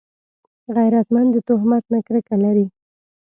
غیرتمند د تهمت نه کرکه لري